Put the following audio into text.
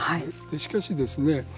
しかしですね